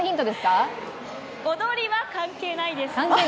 踊りは関係ないです。